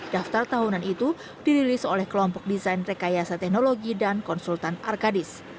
daftar tahunan itu dirilis oleh kelompok desain rekayasa teknologi dan konsultan arkadis